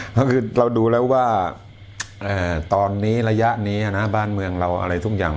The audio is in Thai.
ก็คือเราดูแล้วว่าตอนนี้ระยะนี้นะบ้านเมืองเราอะไรทุกอย่าง